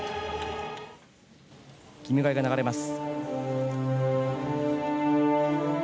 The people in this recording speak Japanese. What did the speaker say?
「君が代」が流れます。